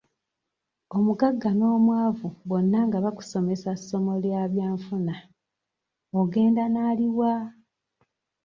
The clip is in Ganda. Omugagga n'omwavu bonna nga bakusomesa ssomo lya byanfuna ogenda n'ali wa?